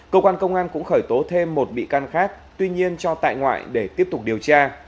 cơ quan công an cũng khởi tố thêm một bị can khác tuy nhiên cho tại ngoại để tiếp tục điều tra